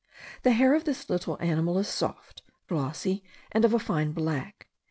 The hair of this little animal is soft, glossy, and of a fine black.